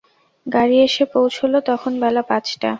গাড়ি এসে পৌঁছল, তখন বেলা পাঁচটা।